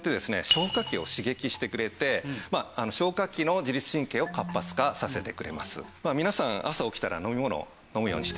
消化器を刺激してくれて消化器の自律神経を活発化させてくれます。